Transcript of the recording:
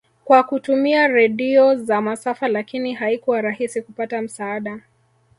kwa kutumia radio za masafa lakini haikuwa rahisi kupata msaada